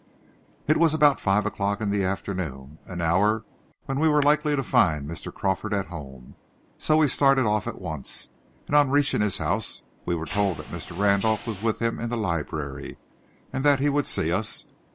It was about five in the afternoon, an hour when we were likely to find Mr. Crawford at home, so we started off at once, and on reaching his house we were told that Mr. Randolph was with him in the library, but that he would see us.